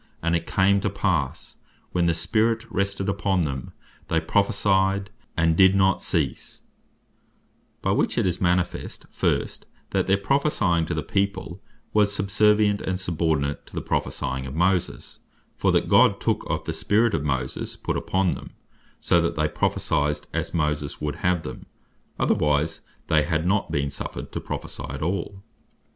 And it came to passe, when the Spirit rested upon them, they Prophecyed, and did not cease," By which it is manifest, first, that their Prophecying to the people, was subservient, and subordinate to the Prophecying of Moses; for that God took of the Spirit of Moses, to put upon them; so that they Prophecyed as Moses would have them: otherwise they had not been suffered to Prophecy at all.